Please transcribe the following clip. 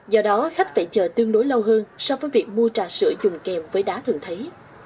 do đó khách phải chờ tương đối lâu hơn so với việc mua trà sữa dùng kèm với đá thường thấy